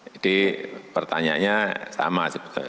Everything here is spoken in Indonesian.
jadi pertanyaannya sama